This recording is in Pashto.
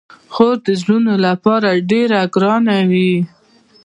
خور د وروڼو لپاره ډیره ګرانه وي.